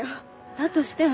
だとしても。